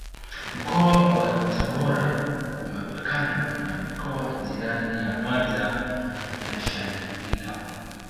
Mkoa wa tabora Umepakana na mikoa jirani ya Mwanza na Shinyanga